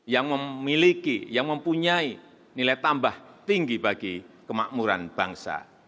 yang mempunyai nilai tambah tinggi bagi kemakmuran bangsa